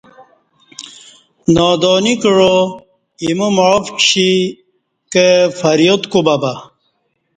نادانی کعا اِیمو معاف کشی کہ فریاد کوبہ بہ